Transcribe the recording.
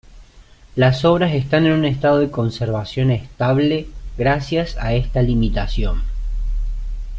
Las obras están en un estado de conservación estable gracias a esta limitación.